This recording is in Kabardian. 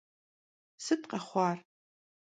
Sıt khexhuar?